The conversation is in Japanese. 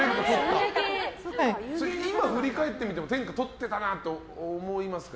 今、振り返ってみても天下とってたなって思いますか？